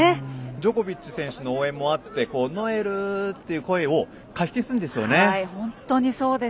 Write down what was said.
ジョコビッチ選手の応援もあってノエルっていう声をかき消すんですよね。